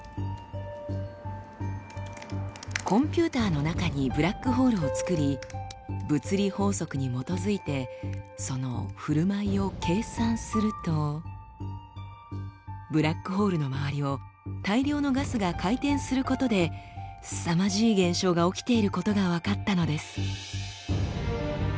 コンピューターの中にブラックホールを作り物理法則に基づいてそのふるまいを計算するとブラックホールの周りを大量のガスが回転することですさまじい現象が起きていることが分かったのです。